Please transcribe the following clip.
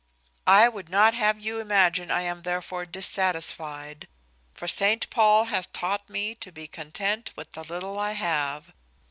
I would not have you imagine I am therefore dissatisfied; for St Paul hath taught me to be content with the little I have.